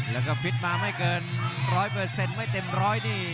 แล้วก็ฟิตมาไม่เกิน๑๐๐ไม่เต็มร้อยนี่